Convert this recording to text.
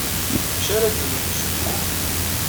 D acu ara d-tini temsujjit?